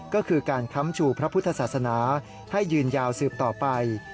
ก็คือการค้ำชูพระพุทธศาสนาให้ยืนยาวสืบต่อไป